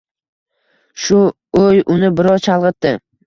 Shu o`y uni biroz chalg`itdi